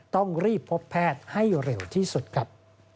ต้องรีบพบแพทย์ให้เร็วที่สุดครับ